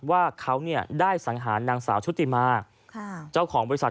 ว่าได้สังหารอลิสาท